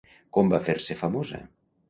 Com va fer-se famosa?